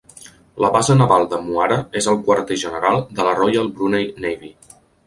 La base naval de Muara és el quarter general de la "Royal Brunei Navy".